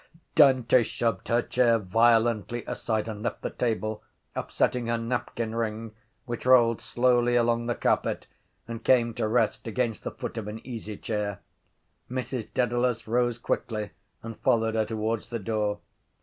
Dante shoved her chair violently aside and left the table, upsetting her napkinring which rolled slowly along the carpet and came to rest against the foot of an easychair. Mrs Dedalus rose quickly and followed her towards the door.